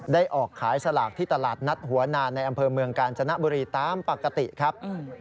ออกขายสลากที่ตลาดนัดหัวนานในอำเภอเมืองกาญจนบุรีตามปกติครับ